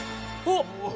おっ！